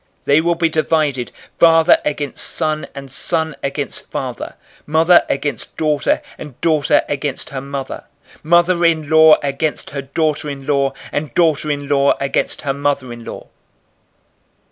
012:053 They will be divided, father against son, and son against father; mother against daughter, and daughter against her mother; mother in law against her daughter in law, and daughter in law against her mother in law."